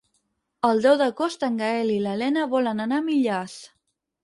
El deu d'agost en Gaël i na Lena volen anar a Millars.